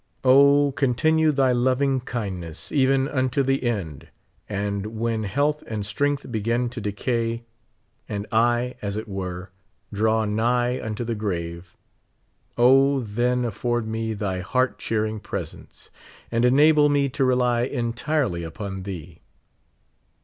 O, continue thy loving kind ness, even unto the end ; and when health and strength begin to decay, and I, as it were, draw nigh unto the grave, O then afford me thy heart cheering presence, and enable me to rely entirely upon thee.